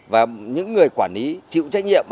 và những người quản lý chịu trách nhiệm